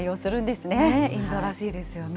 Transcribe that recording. インドらしいですよね。